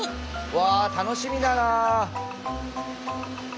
うわあ楽しみだな！